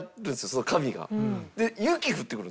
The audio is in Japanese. その紙が。